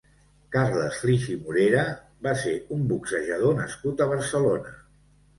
Carles Flix i Morera va ser un boxejador nascut a Barcelona.